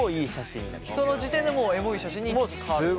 その時点でもうエモい写真に変わると。